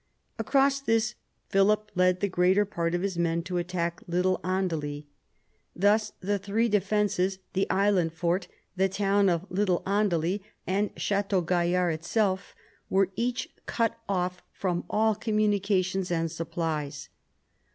Across this Philip led the greater part of his men to attack Little Andely. Thus the three defences — the island fort, the town of Little Andely, and Chateau Gaillard itself — were each cut off from all communications and supplies.